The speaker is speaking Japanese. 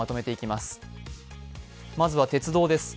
まずは鉄道です。